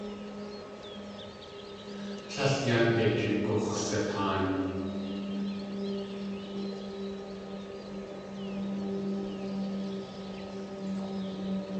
Tlél yánde jigux̲sataan.